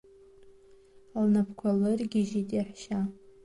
Лнапқәа лыргьежьит иаҳәшьа…